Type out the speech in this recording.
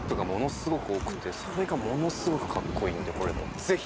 それがものすごくかっこいいのでこれもうぜひ。